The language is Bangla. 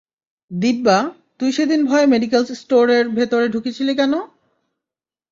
দিব্যা, তুই সেদিন ভয়ে মেডিক্যাল স্টোরের ভেতরে ঢুকেছিলি কেন?